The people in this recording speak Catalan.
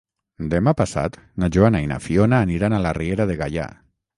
Demà passat na Joana i na Fiona aniran a la Riera de Gaià.